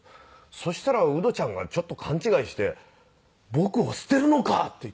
そしたらウドちゃんがちょっと勘違いして「僕を捨てるのか！」って言って。